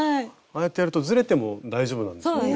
ああやってやるとずれても大丈夫なんですよね。